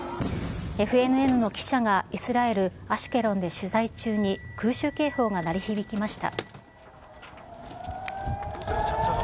ＦＮＮの記者がイスラエル・アシュケロンで取材中に、空襲警報が鳴り響きました。